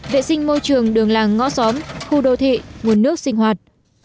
vệ sinh môi trường đường làng ngõ xóm khu đô thị nguồn nước sinh hoạt